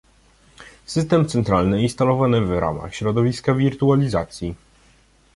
System centralny instalowany w ramach środowiska wirtualizacji